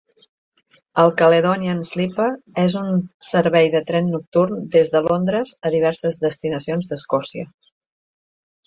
El Caledonian Sleeper és un servei de tren nocturn des de Londres a diverses destinacions d'Escòcia.